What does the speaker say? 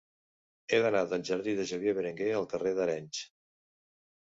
He d'anar del jardí de Xavier Benguerel al carrer d'Arenys.